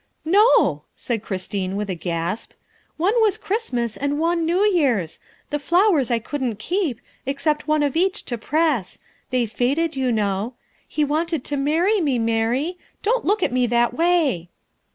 " No," said Christine with a gasp, " one was Christ mas and one New Year's. The flowers I couldn't keep, except one of each to press they faded, you know. He wanted to marry me, Mary. Don't look at me that way!"